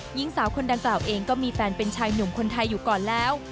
หญิงสาวคนดังกล่าวเองก็มีแฟนเป็นชายหนุ่มคนไทยอยู่ก่อนแล้ว